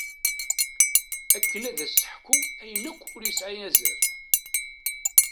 Akken ad s-teḥku ayen akk ur yesɛi ara azal.